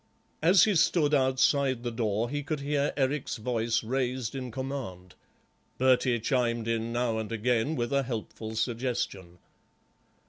As he stood outside the door he could hear Eric's voice raised in command; Bertie chimed in now and again with a helpful suggestion.